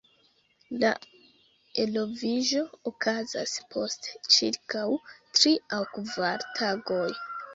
La eloviĝo okazas post ĉirkaŭ tri aŭ kvar tagoj.